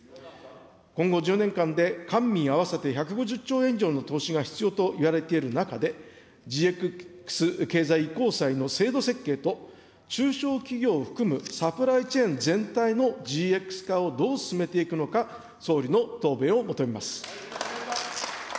今後１０年間で官民合わせて１５０兆円以上の投資が必要といわれている中で、ＧＸ経済移行債の制度設計と、中小企業を含むサプライチェーン全体のＧＸ化をどう進めていくのか、総理の答弁を求めます。